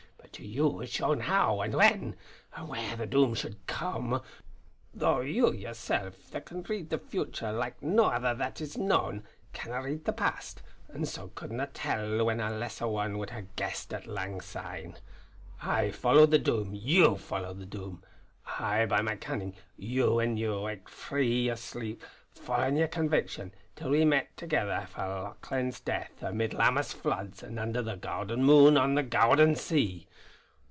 But to you was shown how, and when, and where the Doom should come, though you yersel' that can read the future as no ither that is known, canna read the past; and so could na tell what a lesser one would ha' guessed at lang syne. I followed the Doom; you followed the Doom. I by my cunnin'; you when ye waked frae yer sleep, followin' yer conviction, till we met thegither for Lauchlane's death, amid Lammas floods and under the gowden moon on the gowden sea.